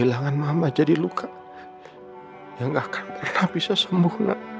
kehilangan mama jadi luka yang gak akan pernah bisa sembuh gak